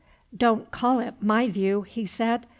"Don't call it my view!" he said.